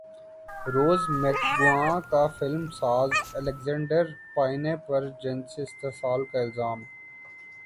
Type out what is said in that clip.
روز McGowan کا film ساز Alexander Payne پرجنسی استحصال کا الزام